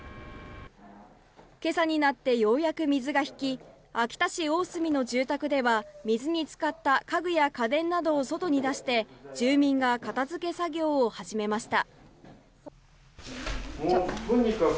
今朝になって、ようやく水が引き秋田市大住の住宅では水につかった家具や家電などを外に出して住民が片付け作業を始めました。